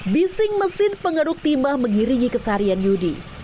bising mesin pengeruk timah mengiringi kesaharian yudi